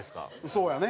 そうやね。